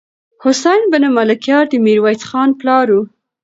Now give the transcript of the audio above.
حسين بن ملکيار د ميرويس خان پلار و.